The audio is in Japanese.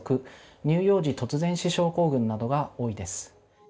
乳幼児突然死症候群などが多いです。